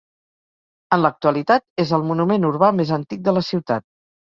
En l'actualitat, és el monument urbà més antic de la ciutat.